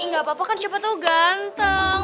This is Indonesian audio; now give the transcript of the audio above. gak apa apa siapa tuh ganteng